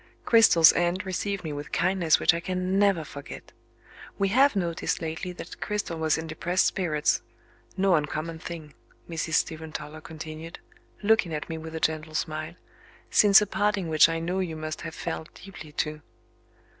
Cristel's aunt received me with kindness which I can never forget. "We have noticed lately that Cristel was in depressed spirits; no uncommon thing," Mrs. Stephen Toller continued, looking at me with a gentle smile, "since a parting which I know you must have felt deeply too.